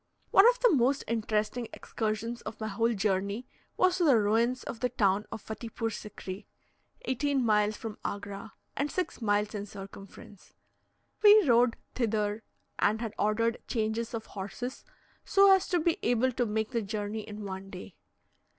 One of the most interesting excursions of my whole journey was to the ruins of the town of Fattipoor Sikri, eighteen miles from Agra, and six miles in circumference. We rode thither, and had ordered changes of horses, so as to be able to make the journey in one day.